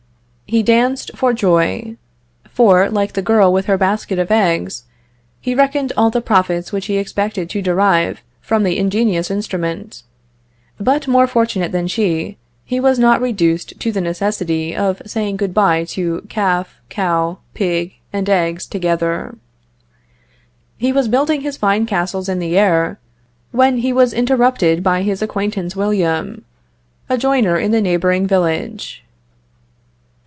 He danced for joy for, like the girl with her basket of eggs, he reckoned all the profits which he expected to derive from the ingenious instrument; but more fortunate than she, he was not reduced to the necessity of saying good bye to calf, cow, pig, and eggs, together. He was building his fine castles in the air, when he was interrupted by his acquaintance William, a joiner in the neighboring village.